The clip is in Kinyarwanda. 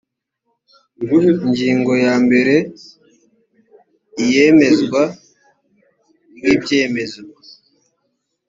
ingingo ya mbere iyemezwa ry ibyemezo